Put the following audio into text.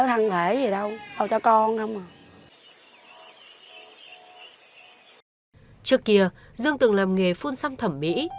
trước kia dương từng làm nghề phun xăm thẩm mỹ